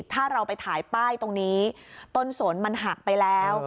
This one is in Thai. ถ้าเราไปถ่ายป้ายตรงนี้ต้นสนมันหักไปแล้ว